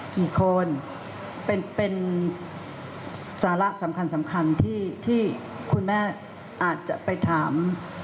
กี่คนเป็นสาระสำคัญสำคัญที่คุณแม่อาจจะไปถาม